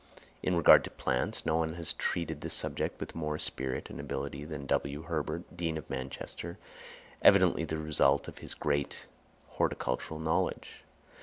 In regard to plants, no one has treated this subject with more spirit and ability than W. Herbert, Dean of Manchester, evidently the result of his great horticultural knowledge.